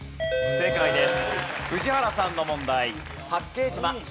正解です。